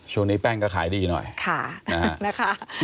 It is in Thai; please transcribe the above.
ช่วงนี้แป้งก็ขายดีหน่อยนะคะ